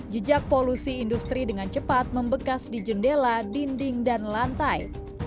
jejak polusi industri dengan cepat membekas di jendela dinding dan lantai